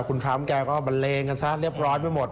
คุณทรัมป์แกก็บันเลงกันซะเรียบร้อยไปหมด